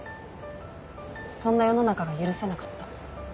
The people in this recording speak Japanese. そんな世の中が許せなかった。